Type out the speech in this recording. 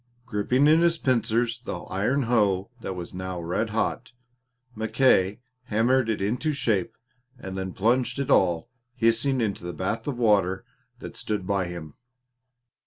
Gripping in his pincers the iron hoe that was now red hot, Mackay hammered it into shape and then plunged it all hissing into the bath of water that stood by him.